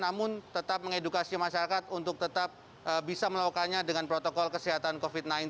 namun tetap mengedukasi masyarakat untuk tetap bisa melakukannya dengan protokol kesehatan covid sembilan belas